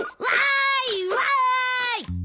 わいわい！